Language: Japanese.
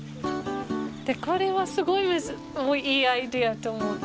これはすごいいいアイデアと思った。